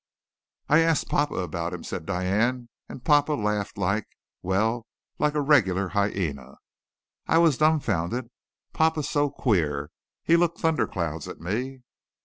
"I asked papa about him," said, Diane, "and papa laughed like well, like a regular hyena. I was dumbfounded. Papa's so queer. He looked thunder clouds at me.